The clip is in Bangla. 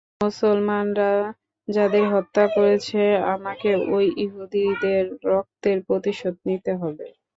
মুসলমানরা যাদের হত্যা করেছে আমাকে ঐ ইহুদীদের রক্তের প্রতিশোধ নিতে হবে।